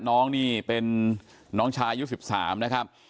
น้องนี่เป็นน้องชายุดสิบสามนะครับ